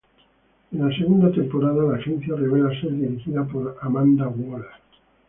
En la segunda temporada, la agencia revela ser dirigida por Amanda Waller.